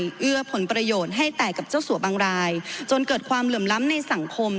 เพื่อเอื้อผลประโยชน์ให้แต่กับเจ้าสัวบางรายจนเกิดความเหลื่อมล้ำในสังคม